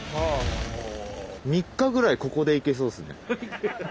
３日ぐらいここでいけそうっすね。